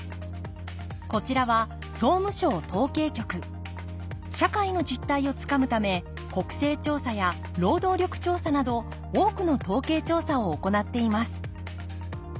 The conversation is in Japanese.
こちらは社会の実態をつかむため国勢調査や労働力調査など多くの統計調査を行っています